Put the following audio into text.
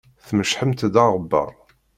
Tmecḥemt-d aɣebbar.